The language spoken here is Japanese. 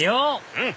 うん！